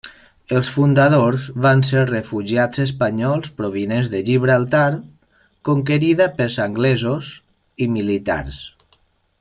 Els fundadors van ser refugiats espanyols provinents de Gibraltar, conquerida pels anglesos, i militars.